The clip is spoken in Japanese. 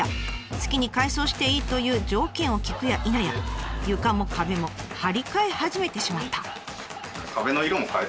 「好きに改装していい」という条件を聞くやいなや床も壁も張り替え始めてしまった。